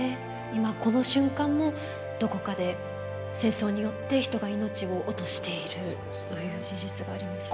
今この瞬間もどこかで戦争によって人が命を落としているという事実がありますよね。